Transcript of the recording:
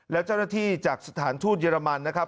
และเจ้าหน้าที่จากสถานทูตเยอรมันนะครับ